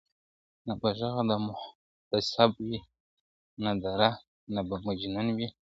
نه به ږغ د محتسب وي نه دُره نه به جنون وي ,